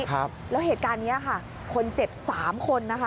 แล้วเหตุการณ์นี้ค่ะคนเจ็บ๓คนนะคะ